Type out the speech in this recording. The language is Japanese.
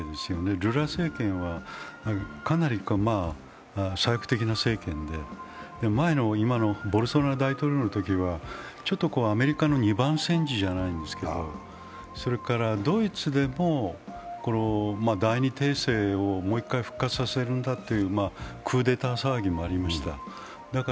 ルラ政権は、かなり左翼的な政権で今のボルソナロ大統領のときはアメリカの二番煎じじゃないですけど、それからドイツでも第二帝政をもう一回復活させるんだというクーデター騒ぎもありました。